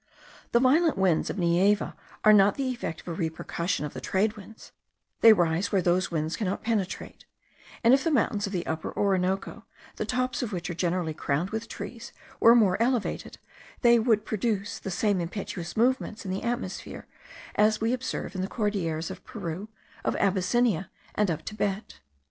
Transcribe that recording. The violent winds of Neiva are not the effect of a repercussion of the trade winds; they rise where those winds cannot penetrate; and if the mountains of the Upper Orinoco, the tops of which are generally crowned with trees, were more elevated, they would produce the same impetuous movements in the atmosphere as we observe in the Cordilleras of Peru, of Abyssinia, and of Thibet.